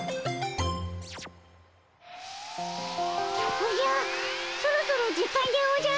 おじゃそろそろ時間でおじゃる。